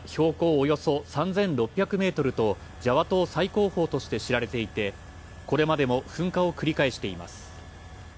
およそ３６００メートルとジャワ島最高峰として知られていて、これまでも噴火を繰り返しています。